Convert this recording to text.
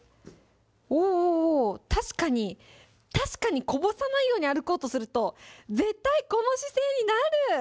おー、おー、おー、確かに、確かにこぼさないように歩こうとすると、絶対この姿勢になる。